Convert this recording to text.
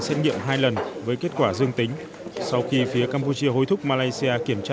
xét nghiệm hai lần với kết quả dương tính sau khi phía campuchia hối thúc malaysia kiểm tra